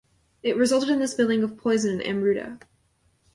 It resulted in the spilling of poison in Amruta.